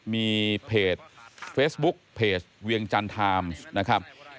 มีเพจเฟสบุ๊คเพจเวียงจันทร์ไทมส์นะครับ